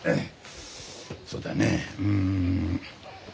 そうだねうん。